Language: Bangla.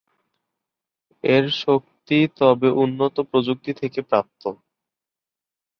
এর শক্তি তবে উন্নত প্রযুক্তি থেকে প্রাপ্ত।